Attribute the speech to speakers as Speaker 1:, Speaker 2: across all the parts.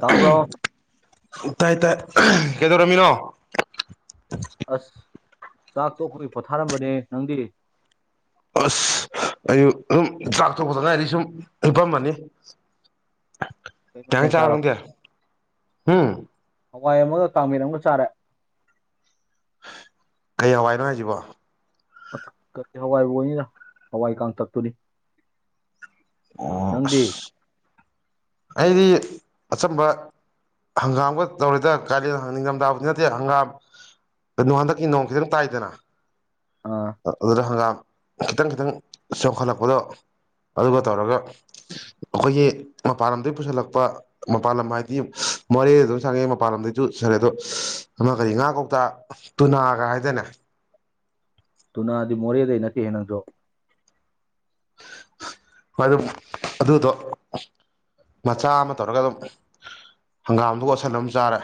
Speaker 1: ꯇꯥꯕ꯭ꯔꯣ
Speaker 2: ꯑꯍꯝ ꯇꯥꯏ ꯇꯥꯏ ꯑꯍꯝ ꯀꯩꯗꯧꯔꯝꯃꯤꯅꯣ
Speaker 1: ꯑꯁ ꯆꯥꯛ ꯇꯣꯛꯄꯒꯤ ꯄꯣꯊꯥꯔꯝꯕꯅꯦ ꯅꯪꯗꯤ
Speaker 2: ꯑꯁ ꯑꯩꯁꯨ ꯑꯗꯨꯝ ꯆꯥꯛ ꯇꯣꯛꯄꯗ ꯉꯥꯏꯔꯤ ꯁꯨꯝ ꯍꯤꯞꯄꯝꯕꯅꯤ ꯀꯩ
Speaker 1: ꯃꯊꯦꯜ
Speaker 2: ꯍꯦꯟꯖꯥꯡ ꯆꯥꯔꯕꯥ
Speaker 1: ꯆꯥꯔꯕ
Speaker 2: ꯅꯪꯗꯤ ꯍꯨꯝ
Speaker 1: ꯍꯋꯥꯏ ꯑꯃꯒ ꯀꯥꯡꯃꯦꯠ ꯑꯃꯒ ꯆꯥꯔꯦ
Speaker 2: ꯀꯩ ꯍꯋꯥꯏꯅꯣ ꯍꯥꯏꯖꯤꯕꯨ
Speaker 1: ꯀꯔꯤ ꯍꯋꯥꯏꯕꯨ ꯑꯣꯏꯅꯤꯗ ꯍꯋꯥꯏ ꯀꯥꯡꯇꯛꯇꯨꯅꯤ
Speaker 2: ꯑꯣ
Speaker 1: ꯅꯪꯗꯤ
Speaker 2: ꯑꯁ ꯑꯩꯗꯤ ꯑꯆꯝꯕ ꯍꯪꯒꯥꯝꯒ ꯇꯧꯔꯤꯗ ꯀꯥꯂꯦꯟ ꯅꯤꯡꯊꯝꯊꯥꯕꯨꯗꯤ ꯅꯠꯇꯦ ꯍꯪꯒꯥꯝ ꯀꯩꯅꯣ ꯍꯟꯗꯛꯀꯤ ꯅꯣꯡ ꯈꯤꯇꯪ ꯇꯥꯏꯗꯅ
Speaker 1: ꯑꯥ
Speaker 2: ꯑꯗꯨꯗ ꯍꯪꯒꯥꯝ ꯈꯤꯇꯪ ꯈꯤꯇꯪ ꯆꯣꯡꯈꯠꯂꯛꯄꯗꯣ ꯑꯗꯨꯒ ꯇꯧꯔꯒ ꯑꯩꯈꯣꯏꯒꯤ ꯃꯄꯥꯟ ꯂꯝꯗꯒꯤ ꯄꯨꯁꯤꯜꯂꯛꯄ ꯃꯄꯥꯥꯟ ꯂꯝ ꯍꯥꯏꯗꯤ ꯃꯣꯔꯦꯗ ꯑꯗꯨꯝ ꯁꯪꯉꯦ ꯃꯄꯥꯟ ꯂꯝꯗꯩꯖꯨ ꯁꯔꯦ ꯑꯗꯣ ꯑꯃ ꯀꯔꯤ ꯉꯥ ꯀꯧꯇꯥ ꯇꯨꯅꯥꯒ ꯍꯥꯏꯗꯥꯏꯅꯦ
Speaker 1: ꯇꯨꯅꯥꯗꯤ ꯃꯣꯔꯦꯗꯩ ꯅꯠꯇꯦꯍꯦ ꯅꯪꯖꯨ
Speaker 2: ꯃꯔꯨꯞ ꯑꯗꯨꯗꯣ ꯃꯆꯥ ꯑꯃ ꯇꯧꯔꯒ ꯑꯗꯨꯝ ꯍꯪꯒꯥꯝꯗꯨꯒ ꯑꯣꯠꯁꯜꯂ ꯑꯗꯨꯝ ꯆꯥꯔꯦ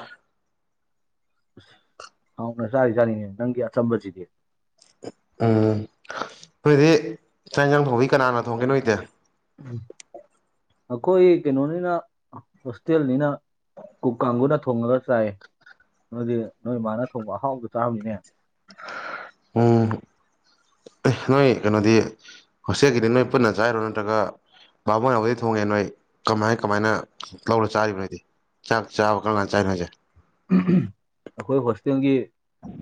Speaker 1: ꯑꯁ ꯍꯥꯎꯅ ꯆꯥꯔꯤꯖꯥꯅꯤꯅꯦ ꯅꯪꯒꯤ ꯑꯆꯝꯕꯁꯤꯗꯤ
Speaker 2: ꯎꯝ ꯈꯣꯏꯗꯤ ꯆꯥꯛ ꯌꯦꯟꯁꯥꯡ ꯊꯣꯡꯕꯗꯤ ꯀꯅꯅꯥ ꯊꯣꯡꯒꯦ ꯅꯣꯏꯗꯤ
Speaker 1: ꯎ ꯑꯩꯈꯣꯏ ꯀꯩꯅꯣꯅꯤꯅ ꯍꯣꯁꯇꯦꯜꯅꯤꯅ ꯀꯨꯛ ꯀꯥꯡꯒꯨꯅ ꯊꯣꯡꯉꯒ ꯆꯥꯏ ꯅꯣꯏꯗꯤ ꯅꯣꯏꯃꯥꯅ ꯊꯣꯡꯕ ꯑꯍꯥꯎꯕꯗꯣ ꯆꯥꯔꯝꯅꯤꯅꯦ
Speaker 2: ꯎꯝ ꯅꯣꯏ ꯀꯩꯅꯣꯗꯤ ꯍꯣꯁꯇꯦꯜꯒꯤꯗꯤ ꯅꯣꯏ ꯄꯨꯟꯅ ꯆꯥꯏꯔꯣ ꯅꯠꯇ꯭ꯔꯒ ꯕꯥꯃꯣꯟꯅꯗꯤ ꯊꯣꯡꯉꯦ ꯅꯣꯏ ꯀꯃꯥꯏ ꯀꯃꯥꯏꯅ ꯂꯧꯔ ꯆꯥꯔꯤꯕ ꯅꯣꯏꯗꯤ ꯆꯥꯛ ꯆꯥꯕ ꯀꯔꯝꯀꯥꯟ ꯆꯥꯏꯅꯣ ꯍꯥꯏꯖꯦ
Speaker 1: ꯑꯩꯈꯣꯏ ꯍꯣꯁꯇꯦꯜꯒꯤ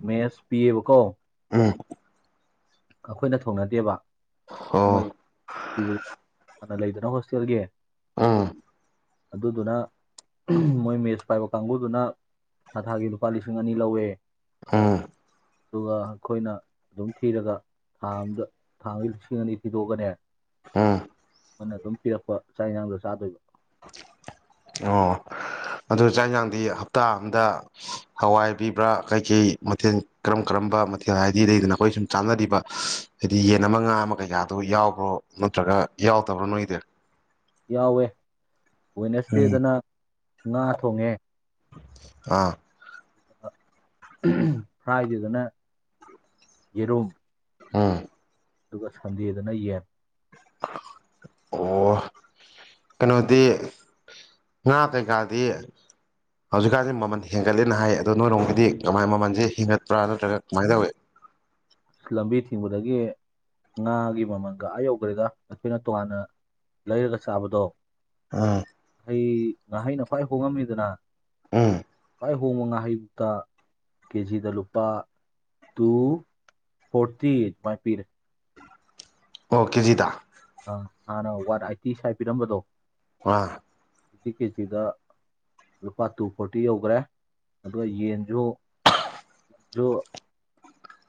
Speaker 1: ꯃꯦꯁ ꯄꯤꯌꯦꯕꯀꯣ
Speaker 2: ꯎꯝ
Speaker 1: ꯑꯩꯈꯣꯏꯅ ꯊꯣꯡꯅꯗꯦꯕ
Speaker 2: ꯑꯣ
Speaker 1: ꯃꯣꯏ ꯄꯤꯕ [unintelligible] ꯂꯩꯗꯅ ꯍꯣꯁꯇꯦꯜꯒꯤ
Speaker 2: ꯎꯝ
Speaker 1: ꯑꯗꯨꯗꯨꯅ ꯃꯣꯏ ꯃꯦꯁ ꯄꯥꯏꯕ ꯀꯥꯡꯒꯨꯗꯨꯅ ꯊꯥ ꯊꯥꯒꯤ ꯂꯨꯄꯥ ꯂꯤꯁꯤꯡ ꯑꯅꯤ ꯂꯧꯋꯦ
Speaker 2: ꯎꯝ
Speaker 1: ꯑꯗꯨꯒ ꯑꯈꯣꯏꯅ ꯑꯗꯨꯝ ꯊꯤꯔꯒ ꯊꯥ ꯑꯃꯗ ꯊꯥ ꯑꯃꯒꯤ ꯂꯤꯁꯤꯡ ꯑꯅꯤ ꯊꯤꯗꯣꯛꯑꯒꯅꯦ
Speaker 2: ꯎꯝ
Speaker 1: ꯃꯣꯏꯅ ꯑꯗꯨꯝ ꯄꯤꯔꯛꯄ ꯆꯥꯛ ꯏꯟꯁꯥꯡꯗꯣ ꯆꯥꯗꯣꯏꯕ
Speaker 2: ꯑꯣ ꯑꯗꯨ ꯆꯥꯛ ꯏꯟꯁꯥꯡꯗꯤ ꯍꯞꯇꯥ ꯑꯝꯗ ꯍꯋꯥꯏ ꯄꯤꯕ꯭ꯔꯥ ꯀꯩ ꯀꯩ ꯃꯊꯦꯜ ꯀꯔꯝ ꯀꯔꯝꯕ ꯃꯊꯦꯜ ꯍꯥꯏꯗꯤ ꯂꯩꯗꯅ ꯑꯈꯣꯏ ꯁꯨꯝ ꯆꯥꯟꯅꯔꯤꯕ ꯍꯥꯏꯗꯤ ꯌꯦꯟ ꯑꯃ ꯉꯥ ꯑꯃ ꯀꯩꯀꯥꯗꯣ ꯌꯥꯎꯕ꯭ꯔꯣ ꯅꯠꯇ꯭ꯔꯒ ꯌꯥꯎꯗꯕ꯭ꯔꯣ ꯅꯣꯏꯒꯤꯗꯤ
Speaker 1: ꯌꯥꯎꯋꯦ ꯋꯦꯅꯥꯁꯗꯦꯗꯅ ꯉꯥ ꯊꯣꯡꯉꯦ
Speaker 2: ꯑꯥ
Speaker 1: ꯐ꯭ꯔꯥꯏꯗꯦꯗꯅ ꯌꯦꯔꯨꯝ
Speaker 2: ꯎꯝ
Speaker 1: ꯑꯗꯨꯒ ꯁꯟꯗꯦꯗꯅ ꯌꯦꯟ
Speaker 2: ꯑꯣ ꯀꯩꯅꯣꯗꯤ ꯉꯥ ꯀꯩ ꯀꯥꯗꯤ ꯍꯧꯖꯤꯛꯀꯥꯟꯁꯦ ꯃꯃꯜ ꯍꯦꯟꯒꯠꯂꯦꯅ ꯍꯥꯏ ꯑꯗꯣ ꯅꯣꯏꯔꯣꯝꯒꯤꯗꯤ ꯀꯃꯥꯏ ꯃꯃꯜꯁꯦ ꯍꯦꯟꯒꯠꯄ꯭ꯔꯥ ꯅꯠꯇ꯭ꯔꯒ ꯀꯃꯥꯏ ꯇꯧꯏ
Speaker 1: ꯂꯝꯕꯤ ꯊꯤꯡꯕꯗꯒꯤ ꯉꯥꯒꯤ ꯃꯃꯜꯒ ꯑꯥ ꯌꯧꯈ꯭ꯔꯦꯒ ꯑꯈꯣꯏꯅ ꯇꯣꯉꯥꯟꯅ ꯂꯩꯔꯒ ꯆꯥꯕꯗꯣ
Speaker 2: ꯎꯝ
Speaker 1: ꯏ ꯉꯥꯍꯩꯅ ꯈ꯭ꯋꯥꯏ ꯍꯣꯡꯉꯝꯃꯤꯗꯅ
Speaker 2: ꯎꯝ
Speaker 1: ꯈꯋꯥꯏ ꯍꯣꯡꯕ ꯉꯥꯍꯩꯇ ꯀꯦꯖꯤꯗ ꯂꯨꯄꯥ ꯇꯨ ꯐꯣꯔꯇꯤ ꯗꯨꯃꯥꯏ ꯄꯤꯔꯦ
Speaker 2: ꯑꯣ ꯀꯦꯖꯤꯗ
Speaker 1: ꯑꯥ, ꯍꯥꯟꯅ ꯋꯥꯟ ꯑꯩꯏꯇꯤ ꯁꯥꯏ ꯄꯤꯔꯝꯕꯗꯣ
Speaker 2: ꯑꯥ
Speaker 1: [unintelligible] ꯀꯦꯖꯤꯗ ꯂꯨꯄꯥ ꯇꯨ ꯐꯣꯔꯇꯤ ꯌꯧꯒ꯭ꯔꯦ ꯑꯗꯨꯒ ꯌꯦꯟꯁꯨ ꯗꯣ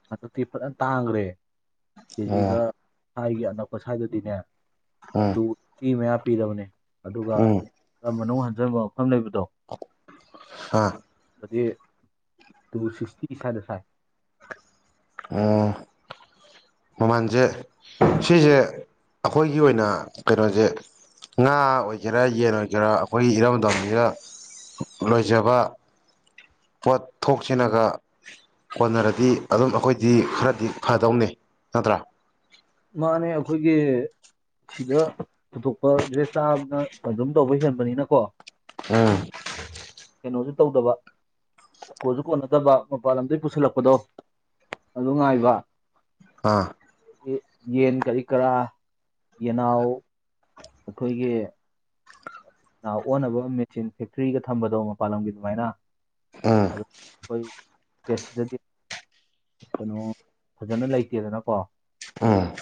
Speaker 1: ꯍꯟꯗꯛꯇꯤ ꯐꯖꯅ ꯇꯥꯡꯈ꯭ꯔꯦ
Speaker 2: ꯑꯣ
Speaker 1: ꯀꯦꯖꯤꯗ ꯑꯁꯥꯏꯒꯤ ꯑꯅꯛꯄ ꯁꯥꯏꯗꯗꯤꯅꯦ
Speaker 2: ꯎꯝ
Speaker 1: ꯇꯨ ꯐꯤꯞ ꯄꯤꯔꯕꯅꯤ ꯑꯗꯨꯒ
Speaker 2: ꯎꯝ
Speaker 1: ꯈꯔ ꯃꯅꯨꯡ ꯍꯟꯖꯤꯕ ꯃꯐꯝ ꯂꯩꯕꯗꯣ
Speaker 2: ꯑꯥ
Speaker 1: ꯑꯗꯤ ꯇꯨ ꯁꯤꯛꯁꯇꯤ ꯁꯥꯏꯗ ꯁꯥꯏ
Speaker 2: ꯑꯣ ꯃꯃꯜꯁꯦ ꯁꯤꯁꯦ ꯑꯈꯣꯏꯒꯤ ꯑꯣꯏꯅ ꯀꯩꯅꯣꯁꯦ ꯉꯥ ꯑꯣꯏꯒꯦꯔꯥ ꯌꯦꯟ ꯑꯣꯏꯒꯦꯔꯥ ꯑꯈꯣꯏꯒꯤ ꯏꯔꯝꯗꯝꯅꯤꯅ ꯂꯣꯏꯖꯕ ꯄꯣꯠ ꯊꯣꯛꯁꯤꯅꯒ ꯀꯣꯟꯅꯔꯗꯤ ꯑꯗꯨꯝ ꯑꯈꯣꯏꯗꯤ ꯈꯔꯗꯤ ꯐꯗꯧꯅꯤ ꯅꯠꯇ꯭ꯔꯥ
Speaker 1: ꯃꯥꯅꯦ ꯑꯈꯣꯏꯒꯤ ꯁꯤꯗ ꯄꯨꯊꯣꯛꯄ ꯗ꯭ꯔꯦꯁ ꯆꯥꯕꯅ ꯑꯗꯨꯝ ꯇꯧꯕ ꯍꯦꯟꯕꯅꯤꯅꯀꯣ
Speaker 2: ꯑꯝ
Speaker 1: ꯀꯩꯅꯣꯁꯨ ꯇꯧꯗꯕ ꯀꯣꯟꯁꯨ ꯀꯣꯟꯅꯗꯕ ꯃꯄꯥꯟ ꯂꯝꯗꯒꯤ ꯄꯨꯁꯤꯜꯂꯛꯄꯗꯣ ꯑꯗꯨ ꯉꯥꯏꯕ
Speaker 2: ꯑꯥ
Speaker 1: ꯌꯦꯟ ꯀꯔꯤ ꯀꯔꯥ ꯌꯦꯅꯥꯎ ꯑꯈꯣꯏꯒꯤ ꯑꯣꯟꯅꯕ ꯃꯦꯆꯤꯟ ꯐꯦꯛꯗꯒ ꯊꯝꯕꯗꯣ ꯃꯄꯥꯜ ꯂꯝꯒꯤ ꯑꯗꯨꯃꯥꯏꯅ
Speaker 2: ꯎꯝ
Speaker 1: ꯁ꯭ꯇꯦꯠ ꯁꯤꯗꯗꯤ ꯀꯩꯅꯣ ꯐꯖꯅ ꯂꯩꯇꯦꯗꯅꯀꯣ
Speaker 2: ꯑꯝ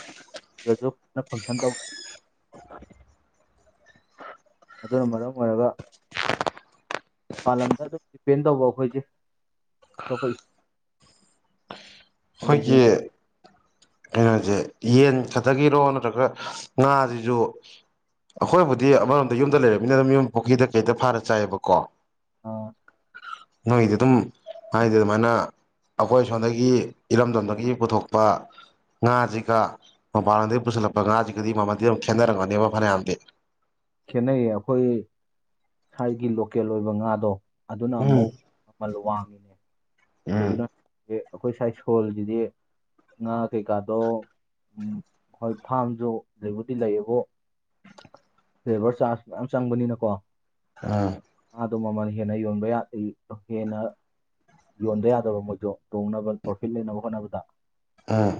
Speaker 1: ꯁꯨ ꯐꯪꯁꯟ ꯇ ꯑꯗꯨꯅ ꯃꯔꯝ ꯑꯣꯏꯔꯒ ꯄꯥꯂꯝꯗ ꯗꯤꯄꯦꯟ ꯇꯧꯕ ꯑꯈꯣꯏꯁꯦ ꯑꯇꯣꯞꯄ ꯏꯁꯇꯦꯠꯇꯨꯅ
Speaker 2: ꯑꯈꯣꯏꯒꯤ
Speaker 1: ꯌꯦꯟ
Speaker 2: ꯀꯩꯅꯣꯁꯦ ꯌꯦꯟ ꯈꯥꯇꯒꯤꯔꯣ ꯅꯠꯇ꯭ꯔꯒ ꯉꯥꯁꯤꯁꯨ ꯑꯈꯣꯏꯕꯨꯗꯤ ꯑꯃꯔꯣꯝꯗ ꯌꯨꯝꯗ ꯂꯩꯔꯕꯃꯤꯅ ꯑꯗꯨ ꯌꯨꯝ ꯄꯨꯈ꯭ꯔꯤꯗ ꯀꯩꯇ ꯐꯥꯔ ꯆꯥꯏꯌꯦꯕꯀꯣ ꯅꯣꯗꯣ ꯑꯗꯨꯝ ꯍꯥꯏꯗꯤ ꯑꯗꯨꯃꯥꯏꯅ ꯑꯈꯣꯏ ꯁꯣꯝꯗꯒꯤ ꯏꯔꯝꯗꯝꯗꯒꯤ ꯄꯨꯊꯣꯛꯄ ꯉꯥꯁꯤꯒ ꯃꯄꯥꯟꯗꯒꯤ ꯄꯨꯁꯤꯜꯂꯛꯄ ꯉꯥꯁꯤꯒꯗꯤ ꯃꯃꯜꯗꯤ ꯑꯗꯨꯝ ꯈꯦꯠꯅꯔꯝꯒꯅꯦꯕ ꯐꯅꯌꯥꯝꯗꯤ
Speaker 1: ꯈꯦꯠꯅꯩꯌꯦ ꯑꯈꯣꯏ ꯍꯥꯏꯒꯤ ꯂꯣꯀꯦꯜ ꯑꯣꯏꯕ ꯉꯥꯗꯣ ꯑꯗꯨꯅ
Speaker 2: ꯎꯝ
Speaker 1: ꯑꯃꯨꯛ ꯃꯃꯜ ꯋꯥꯡꯉꯤꯅꯦ
Speaker 2: ꯎꯝ
Speaker 1: ꯀꯩꯒꯤꯅꯣ ꯑꯈꯣꯏ ꯁꯣꯏꯜꯁꯤꯗꯤ ꯉꯥ ꯀꯩꯀꯥꯗꯣ ꯍꯣꯏ ꯐꯥꯝꯁꯨ ꯂꯩꯕꯨꯗꯤ ꯂꯩꯌꯦꯕꯨ ꯂꯦꯕꯔ ꯆꯥꯔꯖ ꯃꯌꯥꯝ ꯆꯪꯕꯅꯤꯅꯀꯣ
Speaker 2: ꯑꯥ
Speaker 1: ꯑꯗꯨ ꯃꯃꯜ ꯍꯦꯟꯅ ꯌꯣꯟꯕ ꯌꯥꯗꯦ ꯍꯦꯟꯅ ꯌꯣꯟꯕ ꯌꯥꯗꯕ ꯃꯣꯏꯗꯣ ꯇꯣꯡꯅꯕ ꯄ꯭ꯔꯣꯐꯤꯠ ꯂꯩꯅꯕ ꯍꯣꯠꯅꯕꯗ
Speaker 2: ꯑꯥ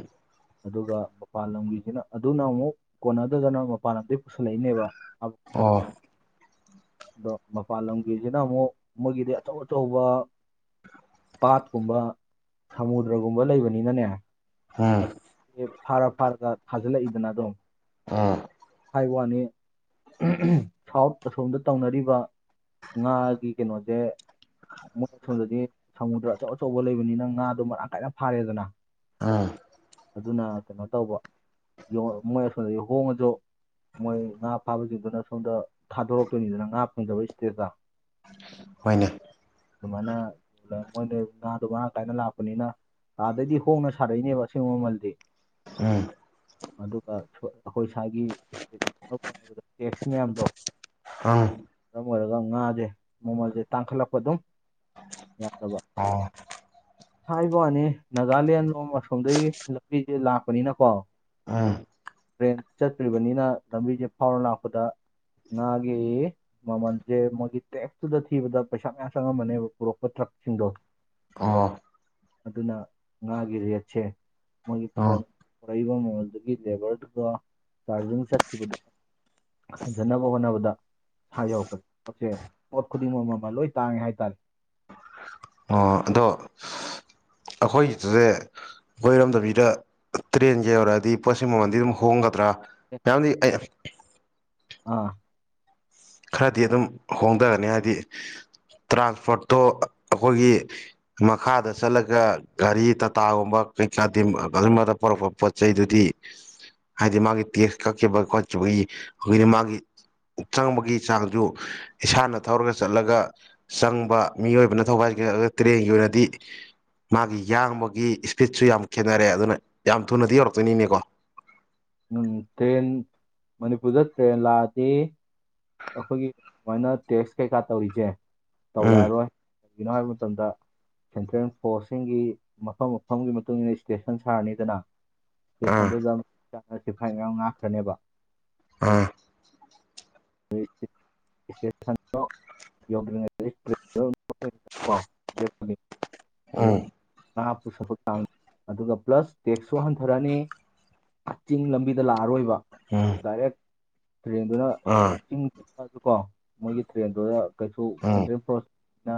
Speaker 1: ꯑꯗꯨꯒ ꯃꯄꯥꯟ ꯂꯝꯒꯤꯁꯤꯅ ꯑꯗꯨꯅ ꯑꯃꯨꯛ ꯀꯣꯟꯅꯗꯗꯅ ꯃꯄꯥꯟ ꯂꯝꯗꯒꯤ ꯄꯨꯁꯜꯂꯛꯏꯅꯦꯕ
Speaker 2: ꯑꯣ
Speaker 1: [unintelligible] ꯑꯗꯣ ꯃꯄꯥꯟ ꯂꯝꯒꯤꯁꯤꯅ ꯑꯃꯨꯛ ꯃꯣꯏꯒꯤꯗꯤ ꯑꯆꯧ ꯑꯆꯧꯕ ꯄꯥꯠꯀꯨꯝꯕ ꯁꯃꯨꯗ꯭ꯔꯒꯨꯝꯕ ꯂꯩꯕꯅꯤꯅꯅꯦ
Speaker 2: ꯎꯝ
Speaker 1: ꯑꯁ ꯐꯥꯔ ꯐꯥꯔꯒ ꯊꯥꯖꯤꯜꯂꯛꯏꯗꯅ ꯑꯗꯨꯝ
Speaker 2: ꯑꯝ
Speaker 1: ꯍꯥꯏꯕꯋꯥꯅꯤ ꯁꯥꯎꯠ ꯑꯁꯣꯝꯗ ꯇꯧꯅꯔꯤꯕ ꯉꯥꯒꯤ ꯀꯩꯅꯣꯁꯦ ꯃꯣꯏ ꯁꯣꯝꯗꯗꯤ ꯁꯃꯨꯗ꯭ꯔ ꯑꯆꯧ ꯑꯆꯧꯕ ꯂꯩꯕꯅꯤꯅ ꯉꯥꯗꯣ ꯃꯔꯥꯡ ꯀꯥꯏꯅ ꯐꯥꯔꯦꯗꯅ
Speaker 2: ꯑꯥ
Speaker 1: ꯑꯗꯨꯅ ꯀꯩꯅꯣ ꯇꯧꯕ ꯃꯣꯏ ꯑꯁꯣꯝꯗ ꯍꯣꯡꯉꯁꯨ ꯃꯣꯏ ꯉꯥ ꯐꯥꯕꯁꯤꯡꯗꯨꯅ ꯁꯣꯝꯗ ꯊꯥꯗꯣꯔꯛꯇꯣꯏꯅꯤꯗꯅ ꯉꯥ ꯐꯪꯖꯕ ꯁ꯭ꯇꯦꯠꯇ
Speaker 2: ꯍꯣꯏꯅꯦ
Speaker 1: ꯑꯗꯨꯃꯥꯏꯅ ꯃꯣꯏꯅ ꯉꯥꯗꯣ ꯃꯔꯥꯡ ꯀꯥꯏꯅ ꯂꯥꯛꯄꯅꯤꯅ ꯑꯗꯩꯗꯤ ꯍꯣꯡꯅ ꯁꯥꯔꯛꯏꯅꯦꯕ ꯑꯁꯦꯡꯕ ꯃꯃꯜꯗꯤ
Speaker 2: ꯎꯝ
Speaker 1: ꯑꯗꯨꯒ ꯑꯈꯣꯏ ꯑꯁꯥꯏꯒꯤ ꯁ꯭ꯇꯦꯠ ꯍꯣꯠꯅꯕꯗ ꯇꯦꯛꯁ ꯃꯌꯥꯝꯗꯣ
Speaker 2: ꯑꯪ
Speaker 1: ꯃꯔꯝ ꯑꯣꯏꯔꯒ ꯉꯥꯁꯦ ꯃꯃꯜꯁꯦ ꯇꯥꯡꯈꯠꯂꯛꯄ ꯑꯗꯨꯝ ꯌꯥꯗꯕ
Speaker 2: ꯑꯣ
Speaker 1: [inaudible] ꯍꯥꯏꯕ ꯋꯥꯅꯤ ꯅꯥꯒꯥꯂꯦꯟ ꯂꯣꯝ ꯑꯁꯣꯝꯗꯒꯤ ꯂꯝꯕꯤꯁꯦ ꯂꯥꯛꯄꯅꯤꯅꯀꯣ
Speaker 2: ꯎꯝ
Speaker 1: ꯇ꯭ꯔꯦꯟ ꯆꯠꯇ꯭ꯔꯤꯕꯅꯤꯅ ꯂꯝꯕꯤꯁꯦ ꯐꯥꯎꯔ ꯂꯥꯛꯄꯗ ꯉꯥꯒꯤ ꯃꯃꯜꯁꯦ ꯃꯣꯏꯒꯤ ꯇꯦꯛꯁꯇꯨꯗ ꯊꯤꯕꯗ ꯄꯩꯁꯥ ꯃꯌꯥꯝ ꯆꯪꯉꯝꯃꯅꯦꯕ ꯄꯨꯔꯛꯄ ꯊ ꯁꯤꯡꯗꯣ
Speaker 2: ꯑꯣ
Speaker 1: ꯑꯗꯨꯅ ꯉꯥꯒꯤꯔꯦꯠꯁꯦ ꯃꯣꯏꯒꯤ
Speaker 2: ꯑꯣ
Speaker 1: ꯐꯣꯟ ꯄꯨꯔꯛꯏꯕ ꯃꯃꯜꯗꯨꯒꯤ ꯂꯦꯕꯔꯗꯨꯗ ꯆꯥꯔꯖꯤꯡ ꯆꯠꯈꯤꯕꯗꯨ ꯍꯟꯖꯤꯟꯅꯕ ꯍꯣꯠꯅꯕꯗ ꯁꯥꯏꯌꯧꯔꯛꯄꯗ ꯄꯣꯠꯁꯦ ꯄꯣꯠ ꯈꯨꯗꯤꯡꯃꯛ ꯑꯃ ꯂꯣꯏ ꯇꯥꯡꯉꯦ ꯍꯥꯏꯇꯥꯔꯦ
Speaker 2: ꯑꯣ ꯑꯗꯣ ꯑꯈꯣꯏꯁꯦ ꯑꯈꯣꯏ ꯏꯔꯣꯝꯗꯕꯤꯗ ꯇ꯭ꯔꯦꯟꯁꯦ ꯌꯧꯔꯛꯑꯗꯤ ꯄꯣꯠꯁꯤ ꯃꯃꯟꯗꯤ ꯑꯗꯨꯝ ꯍꯣꯡꯒꯗ꯭ꯔꯥ ꯃꯌꯥꯝꯗꯤ ꯑ
Speaker 1: ꯑꯥ
Speaker 2: ꯈꯔꯗꯤ ꯑꯗꯨꯝ ꯍꯣꯡꯊꯔꯅꯤ ꯍꯥꯏꯗꯤ ꯇ꯭ꯔꯥꯟꯁꯄꯣꯔꯠꯇꯣ ꯑꯈꯣꯏꯒꯤ ꯃꯈꯥꯗ ꯆꯠꯂꯒ ꯒꯥꯔꯤ ꯇꯥꯇꯥꯒꯨꯝꯕ ꯀꯩꯀꯥꯗꯤ [unintelligible] ꯄꯔꯛꯄ ꯄꯣꯠ ꯆꯩꯗꯨꯗꯤ ꯍꯥꯏꯗꯤ ꯃꯥꯒꯤ ꯇꯦꯛꯁ ꯀꯛꯈꯤꯕ ꯈꯣꯠꯈꯤꯕꯒꯤ ꯑꯈꯣꯏꯅ ꯃꯥꯒꯤ ꯆꯪꯕꯒꯤ ꯆꯥꯡꯁꯨ ꯏꯁꯥꯅ ꯊꯧꯔꯒ ꯆꯠꯂꯒ ꯆꯪꯕ ꯃꯤꯑꯣꯏꯕꯅ ꯊꯒꯥꯏꯒ ꯇ꯭ꯔꯦꯟꯒꯤ ꯑꯣꯏꯅ ꯑꯗꯨꯗꯗꯤ ꯃꯥꯒꯤ ꯌꯥꯡꯕꯒꯤ ꯁ꯭ꯄꯤꯠꯁꯨ ꯌꯥꯝ ꯈꯦꯠꯅꯔꯦ ꯑꯗꯨꯅ ꯌꯥꯝ ꯊꯨꯅꯗꯤ ꯌꯧꯔꯛꯇꯣꯏꯅꯤꯅꯦꯀꯣ
Speaker 1: ꯎꯝ ꯇ꯭ꯔꯦꯟ ꯃꯅꯤꯄꯨꯔꯗ ꯇ꯭ꯔꯦꯟ ꯂꯥꯛꯑꯗꯤ ꯑꯈꯣꯏꯒꯤ ꯁꯨꯃꯥꯏꯅ ꯇꯦꯛꯁ ꯀꯩꯀꯥ ꯇꯧꯔꯤꯁꯦ
Speaker 2: ꯎꯝ
Speaker 1: ꯇꯧꯔꯛꯑꯔꯣꯏ ꯀꯩꯒꯤꯅꯣ ꯍꯥꯏꯕ ꯃꯇꯝꯗ ꯁꯦꯟꯇ꯭ꯔꯦꯜ ꯐꯣꯔꯁꯁꯤꯡꯒꯤ ꯃꯐꯝ ꯃꯐꯝꯒꯤ ꯃꯇꯨꯡ ꯏꯟꯅ ꯁ꯭ꯇꯦꯁꯟ ꯁꯥꯔꯅꯤꯗꯅ
Speaker 2: ꯑꯥ
Speaker 1: ꯁ꯭ꯇꯦꯁꯟꯗꯨꯗ ꯆꯠꯁꯤ ꯁꯤꯐꯥꯏ ꯃꯌꯥꯝ ꯉꯥꯛꯈ꯭ꯔꯅꯦꯕ
Speaker 2: ꯑꯥ
Speaker 1: [unintelligible] [unintelligible]
Speaker 2: ꯎꯝ
Speaker 1: ꯉꯥꯏꯍꯥꯛꯄꯨ ꯁꯛꯄ ꯀꯥꯡ ꯑꯗꯨꯒ ꯄ꯭ꯂꯁ ꯇꯦꯛꯁꯁꯨ ꯍꯟꯊꯔꯛꯑꯅꯤ ꯆꯤꯡ ꯂꯝꯕꯤꯗ ꯂꯥꯛꯑꯔꯣꯏꯕ
Speaker 2: ꯎꯝ
Speaker 1: ꯗꯥꯏꯔꯦꯛ ꯇ꯭ꯔꯦꯟꯗꯨꯅ
Speaker 2: ꯑꯥ
Speaker 1: ꯀꯣ ꯃꯣꯏꯒꯤ ꯇ꯭ꯔꯦꯟꯗꯨꯗ ꯀꯩꯁꯨ
Speaker 2: ꯎꯝ
Speaker 1: ꯁꯦꯟꯇ꯭ꯔꯦꯜ ꯐꯣꯔꯁꯅ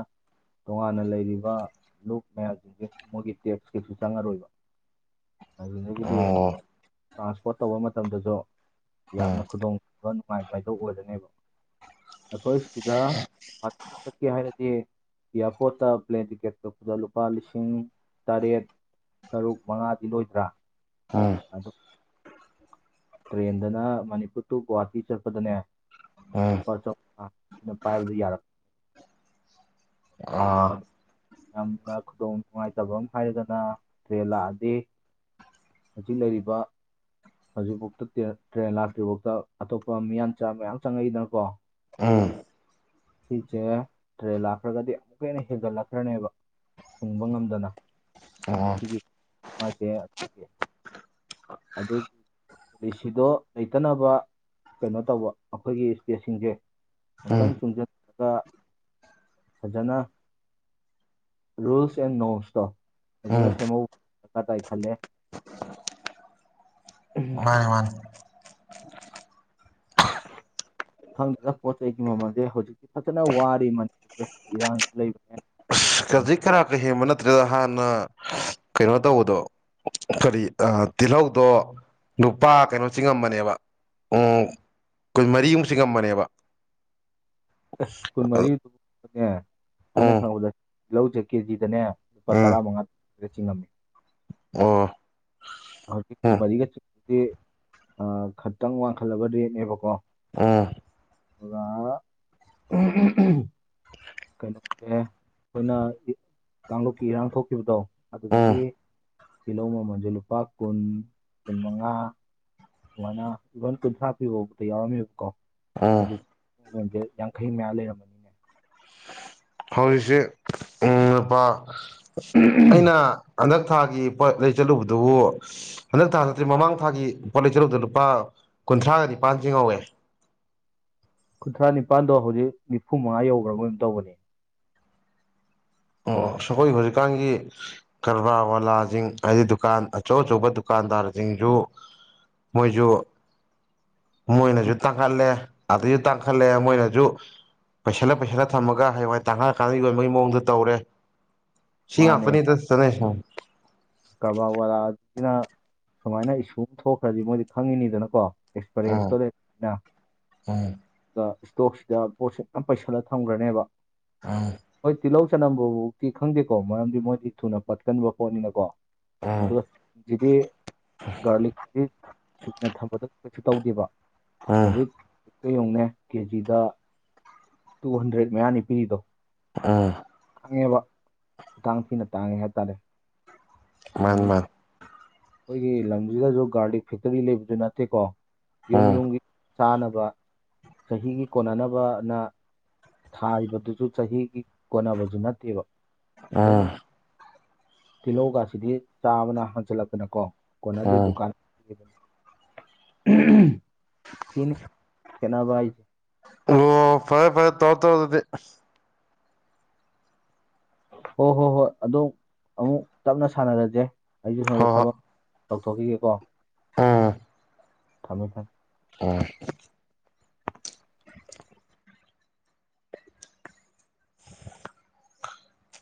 Speaker 1: ꯇꯣꯉꯥꯟꯅ ꯂꯩꯔꯤꯕ ꯂꯨꯞ ꯃꯌꯥꯝꯁꯤꯡꯁꯦ ꯃꯣꯏꯒꯤ ꯇꯦꯛꯁ ꯀꯩꯁꯨ ꯆꯪꯉꯔꯣꯏꯕ ꯑꯗꯨꯗꯒꯗꯤ
Speaker 2: ꯑꯣ
Speaker 1: ꯇ꯭ꯔꯥꯟꯁꯄꯣꯔꯠ ꯇꯧꯕ ꯃꯇꯝꯗꯁꯨ
Speaker 2: ꯎꯝ
Speaker 1: ꯌꯥꯝꯅ ꯈꯨꯗꯣꯡꯕ ꯊꯤꯕ ꯅꯨꯡꯉꯥꯏꯕ ꯍꯥꯏ ꯑꯣꯏꯔꯅꯦꯕ ꯑꯈꯣꯏ ꯁꯤꯗ ꯒ꯭ꯋꯥꯍꯥꯇꯤ ꯆꯠꯀꯦ ꯍꯥꯏꯔꯗꯤ ꯏꯌꯥꯔꯄꯣꯔꯠꯇ ꯄ꯭ꯂꯦꯟ ꯇꯤꯀꯦꯠ ꯀꯛꯄꯗ ꯂꯨꯄꯥ ꯂꯤꯁꯤꯡ ꯇꯔꯦꯠ ꯇꯔꯨꯛ ꯃꯉꯥꯗꯤ ꯂꯣꯏꯗ꯭ꯔꯥ
Speaker 2: ꯑꯥ
Speaker 1: ꯑꯗꯨ ꯇ꯭ꯔꯦꯟꯗꯅ ꯃꯅꯤꯄꯨꯔ ꯇꯨ ꯒ꯭ꯋꯥꯍꯥꯇꯤ ꯆꯠꯄꯗꯅꯦ
Speaker 2: ꯎꯝ
Speaker 1: [unintelligible]
Speaker 2: ꯑꯥ
Speaker 1: ꯑꯗꯨ ꯌꯥꯝꯅ ꯈꯨꯗꯣꯡ ꯅꯨꯡꯉꯥꯏꯇꯕ ꯑꯃ ꯍꯥꯏꯔꯒꯅ ꯇ꯭ꯔꯦꯟ ꯂꯥꯛꯑꯗꯤ ꯍꯧꯖꯤꯛ ꯂꯩꯔꯤꯕ ꯍꯧꯖꯤꯛꯐꯥꯎꯗ ꯇ꯭ꯔꯦꯟ ꯂꯥꯛꯇ꯭ꯔꯤꯐꯥꯎꯗ ꯑꯇꯣꯞꯄ ꯃꯤꯌꯥꯟꯆꯥ ꯃꯌꯥꯝ ꯆꯪꯉꯛꯏꯗꯅꯀꯣ
Speaker 2: ꯑꯝ
Speaker 1: ꯁꯤꯁꯦ ꯇ꯭ꯔꯦꯜ ꯂꯥꯛꯈ꯭ꯔꯒꯗꯤ ꯑꯃꯨꯛꯀ ꯍꯦꯟꯅ ꯍꯦꯟꯒꯠꯂꯛꯈ꯭ꯔꯅꯦꯕ ꯊꯨꯡꯕ ꯉꯝꯗꯅ
Speaker 2: ꯑꯣ
Speaker 1: ꯁꯤꯒꯤ ꯅꯨꯡꯉꯥꯏꯇꯦ ꯑꯗꯨ ꯗꯤꯁꯤꯗꯣ ꯂꯩꯇꯅꯕ ꯀꯩꯅꯣ ꯇꯧꯕ ꯑꯈꯣꯏꯒꯤ ꯁ꯭ꯇꯦꯠꯁꯤꯡꯁꯦ
Speaker 2: ꯎꯝ
Speaker 1: ꯑꯃꯨꯛꯇꯪ ꯆꯨꯝꯁꯤꯜꯂꯒ ꯐꯖꯅ ꯔꯨꯜꯁ ꯑꯦꯟ ꯅꯣꯔꯝꯁꯇꯣ ꯐꯖꯅ
Speaker 2: ꯎꯝ
Speaker 1: ꯁꯦꯝꯍꯧ ꯗꯔꯀꯥꯔ ꯇꯥꯏ ꯈꯜꯂꯦ [inaudible] ꯎꯝ
Speaker 2: ꯃꯥꯅꯦ ꯃꯥꯅꯦ
Speaker 1: [inaudible] ꯈꯪꯗꯦꯗ ꯄꯣꯠ ꯆꯩꯒꯤ ꯃꯃꯜꯁꯦ ꯍꯧꯖꯤꯛꯇꯤ ꯐꯖꯅ ꯋꯥꯔꯤꯔꯤ ꯃꯅꯤꯄꯨꯔꯁꯦ ꯏꯔꯥꯡꯗ ꯂꯩꯕꯅꯦ
Speaker 2: ꯈꯥꯖꯤ ꯈꯥꯔꯛꯇꯒ ꯍꯦꯟꯕ ꯅꯠ ꯅꯠꯇ꯭ꯔꯗ ꯍꯥꯟꯅ ꯀꯩꯅꯣ ꯇꯧꯕꯗꯣ ꯀꯔꯤ ꯇꯤꯜꯍꯧꯗꯣ ꯂꯨꯄꯥ ꯀꯩꯅꯣꯆꯤꯡ ꯉꯝꯕꯅꯦꯕ ꯎ ꯀꯨꯟ ꯃꯔꯤꯃꯨꯛ ꯆꯤꯡ ꯉꯝꯕꯅꯦꯕ
Speaker 1: ꯀꯨꯟꯃꯔꯤꯅꯦ ꯑꯩꯅ
Speaker 2: ꯎꯝ
Speaker 1: ꯈꯪꯕꯗ ꯇꯤꯜꯍꯧꯁꯦ ꯀꯦꯖꯤꯗꯅꯦ ꯂꯨꯄꯥ
Speaker 2: ꯎꯝ
Speaker 1: ꯇꯔꯥꯃꯉꯥ ꯈ ꯆꯤꯡꯉꯝꯃꯤ
Speaker 2: ꯑꯣ
Speaker 1: ꯍꯧꯔ ꯀ
Speaker 2: ꯎꯝ
Speaker 1: ꯀꯨꯟꯃꯔꯤꯒ ꯆꯗꯤ ꯈꯇꯪ ꯋꯥꯡꯈꯠꯂꯕ ꯔꯦꯠꯅꯦꯕꯀꯣ
Speaker 2: ꯎꯝ
Speaker 1: ꯑꯗꯨꯒ ꯀꯩꯅꯣꯁꯦ ꯑꯩꯈꯣꯏꯅ ꯀꯥꯡꯂꯨꯞꯀꯤ ꯏꯔꯥꯡ ꯊꯣꯛꯈꯤꯕꯗꯣ
Speaker 2: ꯎꯝ
Speaker 1: ꯑꯗꯨꯗꯒꯤ ꯇꯤꯜꯍꯧ ꯃꯃꯜꯁꯨ ꯂꯨꯄꯥ ꯀꯨꯟ ꯀꯨꯟꯃꯉꯥ ꯋꯥꯅ ꯂꯣꯏ ꯀꯨꯟꯊ꯭ꯔꯥ ꯄꯤꯕꯕꯗ ꯌꯥꯎꯔꯝꯃꯦꯕꯀꯣ
Speaker 2: ꯎꯝ
Speaker 1: ꯍꯧꯖꯤꯛꯣꯟꯁꯦ ꯌꯥꯡꯈꯩ ꯃꯌꯥ ꯂꯩꯔꯝꯃꯅꯤꯅꯦ
Speaker 2: ꯍꯧꯖꯤꯛꯁꯦ ꯎꯝ ꯂꯨꯄꯥ ꯑꯩꯅ ꯍꯟꯗꯛ ꯊꯥꯒꯤ ꯄꯣꯠ ꯂꯩ ꯆꯠꯂꯨꯕꯗꯨꯕꯨ ꯍꯟꯗꯛ ꯊꯥ ꯅꯠꯇ꯭ꯔꯤ ꯃꯃꯥꯡ ꯊꯥꯒꯤ ꯄꯣꯠ ꯂꯩ ꯆꯠꯂꯨꯕꯗ ꯂꯨꯄꯥ ꯀꯨꯟꯊ꯭ꯔꯥꯒ ꯅꯤꯄꯥꯟꯁꯤ ꯉꯧꯋꯦ
Speaker 1: ꯀꯨꯟꯊ꯭ꯔꯥ ꯅꯤꯄꯥꯜꯗꯣ ꯍꯧꯖꯤꯛ ꯅꯤꯐꯨ ꯃꯉꯥ ꯌꯧꯈ꯭ꯔ ꯃꯣꯏꯝ ꯇꯧꯕꯅꯤ
Speaker 2: ꯑꯣ ꯑꯩꯈꯣꯏ ꯍꯧꯖꯤꯛꯀꯥꯟꯒꯤ ꯀꯔꯕꯥꯔ ꯋꯥꯂꯥꯁꯤꯡ ꯍꯥꯏꯗꯤ ꯗꯨꯀꯥꯟ ꯑꯆꯧ ꯑꯆꯧꯕ ꯗꯨꯀꯥꯟ ꯀꯥꯟꯗꯥꯔꯁꯤꯡꯁꯨ ꯃꯣꯏꯁꯨ ꯃꯣꯏꯅꯁꯨ ꯇꯥꯡꯈꯠꯂꯦ ꯑꯗꯨꯁꯨ ꯇꯥꯡꯈꯠꯂꯦ ꯃꯣꯏꯅꯁꯨ ꯄꯩꯁꯜꯂ ꯄꯩꯁꯜꯂ ꯊꯝꯃꯒ ꯍꯌꯦꯡꯋꯥꯏ ꯇꯥꯡꯈꯥꯏꯑꯀꯥꯟꯗ ꯌꯣꯟꯕꯒꯤ ꯃꯑꯣꯡꯗ ꯇꯧꯔꯦ ꯁꯤ ꯉꯥꯛꯇꯅꯤꯗ ꯁꯤ ꯆꯪꯉꯛꯏꯖ
Speaker 1: ꯀꯔꯕꯥ ꯋꯥꯂꯥꯅ ꯁꯨꯃꯥꯏꯅ ꯏꯁꯨ ꯑꯃ ꯊꯣꯛꯈ꯭ꯔꯗꯤ ꯃꯣꯏꯗꯤ ꯈꯪꯉꯤꯅꯤꯗꯅꯀꯣ
Speaker 2: ꯎꯝ
Speaker 1: ꯑꯦꯛꯁꯄꯔꯤꯌꯦꯟꯁꯇ ꯂꯩꯅ
Speaker 2: ꯎꯝ
Speaker 1: ꯇꯣꯛꯁꯤꯗ ꯄꯣꯠꯁꯦ ꯌꯥꯝ ꯄꯩꯁꯜꯂ ꯊꯝꯈ꯭ꯔꯅꯦꯕ ꯍꯣꯏ ꯇꯤꯜꯍꯧ ꯆꯠꯅꯝꯕꯕꯨꯥꯎꯤ ꯈꯪꯗꯦꯀꯣ ꯃꯔꯝꯗꯤ ꯃꯣꯏꯗꯤ ꯊꯨꯅ ꯄꯠꯀꯟꯕ ꯄꯣꯠꯅꯤꯅꯀꯣ
Speaker 2: ꯎꯝ ꯎꯝ
Speaker 1: ꯑꯗꯨꯒ ꯒꯔꯂꯤꯛꯁꯤ ꯀꯨꯏꯅ ꯊꯝꯕꯗ ꯀꯩꯁꯨ ꯇꯧꯗꯦꯕ
Speaker 2: ꯍꯣꯏ
Speaker 1: ꯀꯩꯗꯣꯉꯅꯦ ꯀꯦꯖꯤꯗ ꯇꯨ ꯍꯟꯗ꯭ꯔꯦꯗ ꯃꯌꯥꯅꯤ ꯄꯤꯔꯤꯗꯣ
Speaker 2: ꯑꯥ
Speaker 1: ꯇꯥꯡꯉꯦꯕ ꯈꯨꯊꯥꯡ ꯊꯤꯅ ꯇꯥꯡꯉꯦ ꯍꯥꯏꯇꯥꯔꯦ
Speaker 2: ꯃꯥꯟ
Speaker 1: ꯑꯗꯨꯗꯒꯤ
Speaker 2: ꯃꯥꯥꯟ
Speaker 1: ꯑꯩꯈꯣꯏꯒꯤ ꯂꯝꯁꯤꯗꯁꯨ ꯒꯥꯔꯗꯤꯛ ꯐꯦꯛꯇꯔꯤ ꯂꯩꯕꯁꯨ ꯅꯠꯇꯦꯀꯣ ꯌꯨꯝꯝ
Speaker 2: ꯎꯝ
Speaker 1: ꯌꯨꯝꯒꯤ ꯆꯥꯅꯕ ꯆꯍꯤꯒꯤ ꯀꯣꯟꯅꯅꯕꯅ ꯊꯥꯔꯤꯕꯗꯨꯁꯨ ꯆꯍꯤꯒꯤ ꯀꯣꯟꯅꯕꯁꯨ ꯅꯠꯇꯦꯕ ꯑꯗꯨꯝ
Speaker 2: ꯑꯥ
Speaker 1: ꯇꯤꯜꯍꯧꯒꯁꯤꯗꯤ ꯆꯥꯝꯃꯅ ꯍꯟꯖꯤꯜꯂꯛꯄꯅꯀꯣ ꯀꯣꯟꯅꯗꯤ
Speaker 2: ꯎꯝ
Speaker 1: ꯗꯨꯀꯥꯟꯅꯤ ꯆꯅꯤ ꯈꯦꯠꯅꯕ ꯍꯥꯏꯁꯦ
Speaker 2: ꯑꯣ ꯐꯔꯦ ꯐꯔꯦ ꯇꯧꯔ ꯇꯧꯔꯣꯗꯨꯗꯤ
Speaker 1: ꯍꯣꯏ ꯍꯣꯏ ꯍꯣꯏ ꯑꯗꯨꯝ ꯑꯃꯨꯛ ꯇꯞꯅ ꯁꯥꯟꯅꯔꯁꯦ ꯑꯩꯁꯨ ꯁꯣꯝꯗ ꯊꯕꯛ ꯇꯧꯊꯣꯛꯈꯤꯒꯦꯀꯣ
Speaker 2: ꯑꯥ
Speaker 1: ꯊꯃꯦ ꯊꯝ
Speaker 2: ꯑꯣ